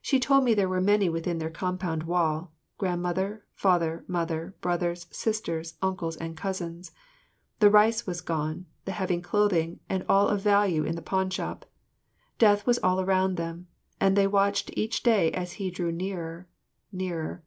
She told me there were many within their compound wall: grandmother, father, mother, brothers, sisters, uncles and cousins. The rice was gone, the heavy clothing and all of value in the pawn shop. Death was all around them, and they watched each day as he drew nearer nearer.